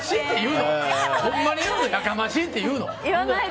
ほんまにやかましいって言うの？